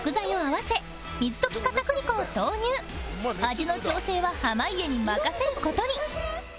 味の調整は濱家に任せる事に